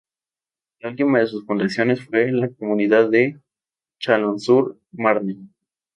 La última de sus fundaciones fue la comunidad de Chalons-sur-Marne.